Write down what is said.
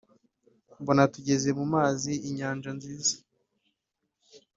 mbona tugeze mu mazi inyanja nziza